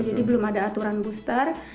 belum ada aturan booster